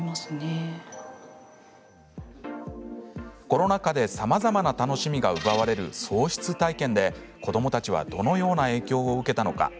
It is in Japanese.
コロナ禍でさまざまな楽しみが奪われる喪失体験で子どもたちはどのような影響を受けたのか。